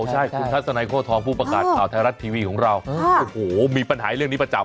ใช่คุณทัศนัยโค้ทองผู้ประกาศข่าวไทยรัฐทีวีของเราโอ้โหมีปัญหาเรื่องนี้ประจำ